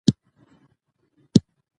میکا د کلتورونو درناوی کوي.